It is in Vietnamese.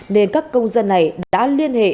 nên các công dân này đã liên hệ